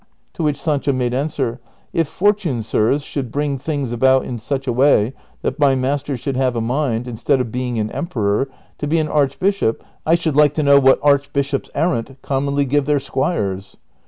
To which Sancho made answer, " If fortune, sirs, should bring things about in such a way that my master should have a mind, instead of being an emperor, to be an archbishop, I should like to know what archbishops errant commonly give their squires